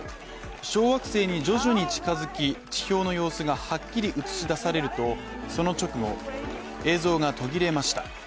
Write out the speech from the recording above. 小惑星に徐々に近づき、地表の様子がはっきり映し出されるとその直後、映像が途切れました。